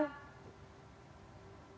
jadi baru lalu ya